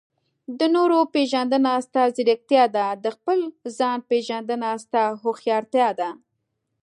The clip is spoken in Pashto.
د نورو پېژندنه؛ ستا ځیرکتیا ده. د خپل ځان پېژندنه؛ ستا هوښيارتيا ده.